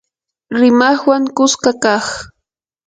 rimaqwan kuska kaq